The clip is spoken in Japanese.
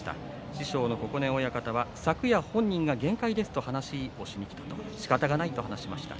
師匠の九重親方は昨夜本人が限界ですと話ししかたがないと話しました。